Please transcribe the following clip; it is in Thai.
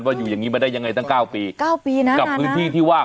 อยู่อย่างงี้มาได้ยังไงตั้งเก้าปีเก้าปีนะกับพื้นที่ที่ว่า